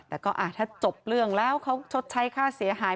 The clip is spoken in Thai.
แต่ก็ถ้าจบเรื่องแล้วเขาชดใช้ค่าเสียหาย